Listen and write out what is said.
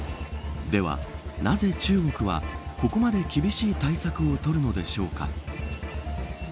では、なぜ中国はここまで厳しい対策をとるのでしょうか。